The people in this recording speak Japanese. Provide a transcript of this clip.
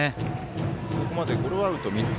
ここまでゴロアウト３つ。